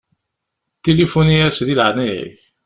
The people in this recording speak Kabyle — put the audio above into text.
Tilifuni-yas di leɛnaya-k.